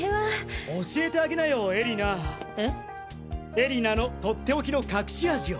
絵里菜のとっておきの隠し味を！